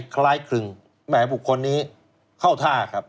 คล้ายคลึงแหมบุคคลนี้เข้าท่าครับ